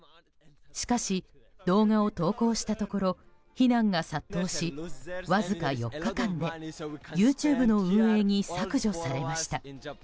しかし、動画を投稿したところ非難が殺到しわずか４日間でＹｏｕＴｕｂｅの運営に削除されました。